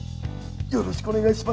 よろしくお願いします。